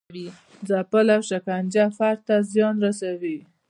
ځپل او شکنجه فرد ته زیان رسوي.